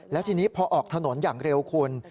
แล้วทีนี้พอออกถนนอย่างเร็วคุณ